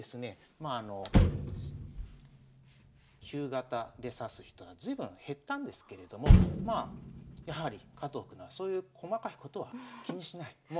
まああの旧型で指す人は随分減ったんですけれどもまあやはり加藤九段そういう細かいことは気にしない。